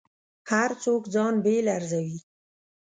هر څوک ځان بېل ارزوي.